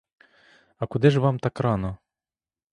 А куди ж вам так рано?